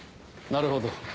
なるほど。